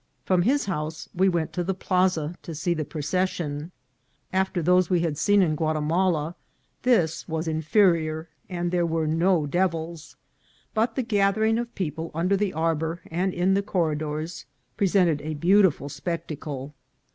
From his house we went to the plaza to see the procession. After those we had seen in Guatimala this was inferior, and there were no devils ; but the gathering of people under the arbour and in the corridors presented a beautiful spectacle.